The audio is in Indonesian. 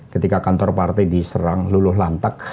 ketika kantor partai diserang luluh lantak